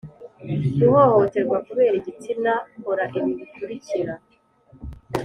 guhohoterwa kubera igitsina kora ibi bikurikira: